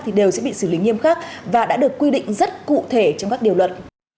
thì đều sẽ bị xử lý nghiêm khắc và đã được quy định rất cụ thể trong các điều luật